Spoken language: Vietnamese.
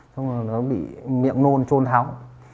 xong rồi nó bị miệng nôn trôn tháo